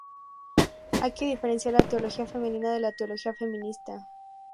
Hay que diferenciar la teología femenina de la teología feminista.